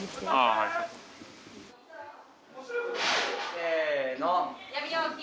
・せの。